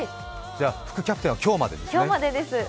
じゃあ副キャプテンは今日までですね。